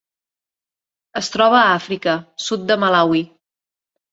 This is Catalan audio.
Es troba a Àfrica: sud de Malawi.